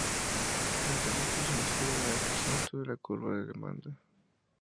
A esta situación se le llama desplazamiento de la curva de la Demanda.